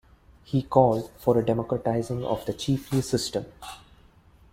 He called for a democratizing of the chiefly system.